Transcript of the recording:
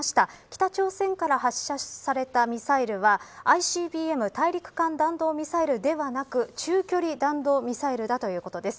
北朝鮮から発射されたミサイルはＩＣＢＭ大陸間弾道ミサイルではなく中距離弾道ミサイルだということです。